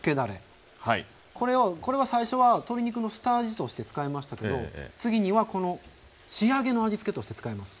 これは最初は鶏肉の下味として使いましたけど次には仕上げの味付けとして使います。